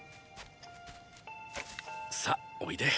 さあおいで。